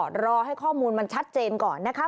รอให้ข้อมูลมันชัดเจนก่อนนะคะ